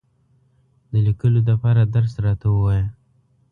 د لیکلو دپاره درس راته ووایه !